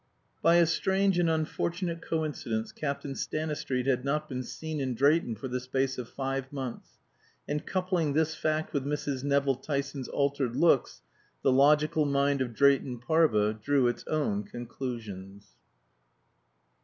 By a strange and unfortunate coincidence Captain Stanistreet had not been seen in Drayton for the space of five months; and coupling this fact with Mrs. Nevill Tyson's altered looks, the logical mind of Drayton Parva drew its own conclusions.